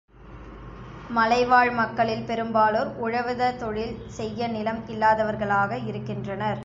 மலைவாழ் மக்களில் பெரும்பாலோர் உழவுத தொழில் செய்ய நிலம் இல்லாதவர்களாக இருக்கின்றனர்.